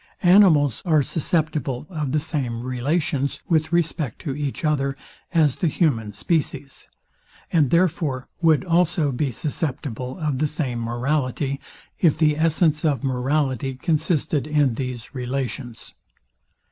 Animals are susceptible of the same relations, with respect to each other, as the human species, and therefore would also be susceptible of the same morality, if the essence of morality consisted in these relations.